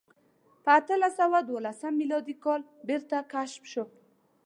په اتلس سوه دولسم میلادي کال بېرته کشف شول.